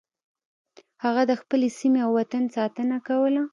هغه د خپلې سیمې او وطن ساتنه کوله.